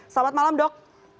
selamat malam dok